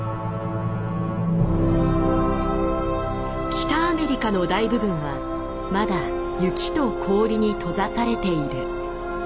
北アメリカの大部分はまだ雪と氷に閉ざされている。